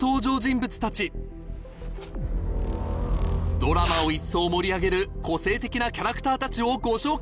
ドラマを一層盛り上げる個性的なキャラクターたちをご紹介！